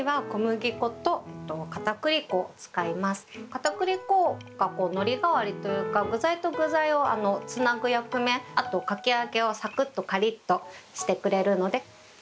かたくり粉がのり代わりというか、具材と具材をつなぐ役目、あとかき揚げをさくっとかりっとしてくれるので。